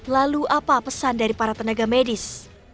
lalu apa pesan dari para tenaga medis